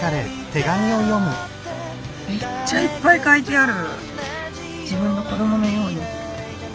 めっちゃいっぱい書いてある。